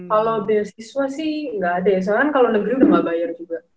kalau bayar siswa sih gak ada ya soalnya kan kalau negeri udah gak bayar juga